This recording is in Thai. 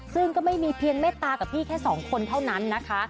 ซึ่งก็ไม่มีเพียงเมตตากับพี่แค่สองคนเท่านั้นนะคะ